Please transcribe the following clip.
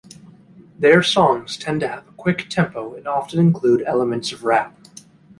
Their songs tend to have a quick tempo and often include elements of rap.